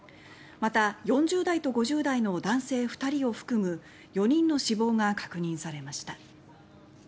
また４０代と５０代の男性２人を含む４人の死亡が確認されました。